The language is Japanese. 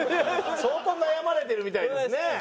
相当悩まれてるみたいですね。